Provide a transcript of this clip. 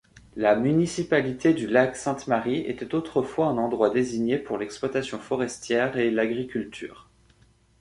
La municipalité du Lac-Sainte-Marie était autrefois un endroit désigné pour l’exploitation forestière et l’agriculture.